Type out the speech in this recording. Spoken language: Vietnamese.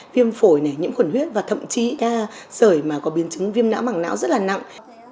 viêm phổi này nhiễm khuẩn huyết và thậm chí ca sợi mà có biến chứng viêm não bằng não rất là nặng